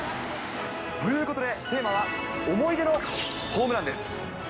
ということで、テーマは思い出のホームランです。